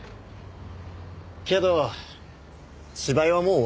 けど芝居はもう終わりだ。